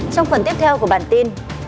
trong phần tiếp theo của bản tin